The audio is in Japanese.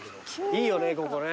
いいよねここね。